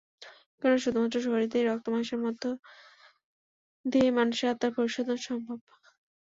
কেননা শুধুমাত্র শরীর দিয়েই, রক্ত মাংসের মধ্যে দিয়েই মানুষের আত্মার পরিশোধন সম্ভব।